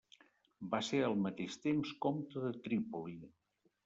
Va ser al mateix temps comte de Trípoli.